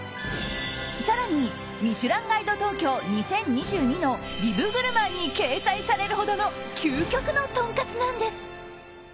更に「ミシュランガイド東京２０２２」のビブグルマンに掲載されるほどの究極のとんかつなんです。